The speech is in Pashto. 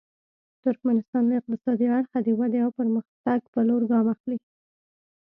ترکمنستان له اقتصادي اړخه د ودې او پرمختګ په لور ګام اخلي.